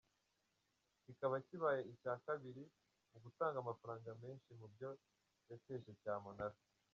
Kikaba kibaye icya kabiri mu gutanga amafaranga menshi mu byo yateje cyamunara.